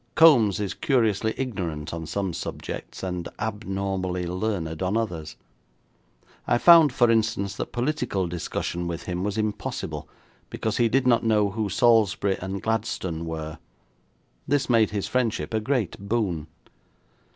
Kombs was curiously ignorant on some subjects, and abnormally learned on others. I found, for instance, that political discussion with him was impossible, because he did not know who Salisbury and Gladstone were. This made his friendship a great boon.